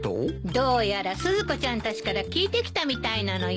どうやらスズコちゃんたちから聞いてきたみたいなのよ。